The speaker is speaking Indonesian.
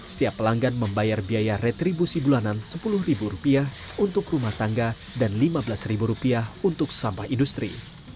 setiap pelanggan membayar biaya retribusi bulanan sepuluh ribu rupiah untuk rumah tangga dan lima belas ribu rupiah untuk sampah industri